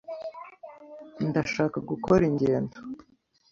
Ndashaka gukora ingendo.